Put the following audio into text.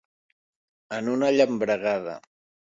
En una llambregada.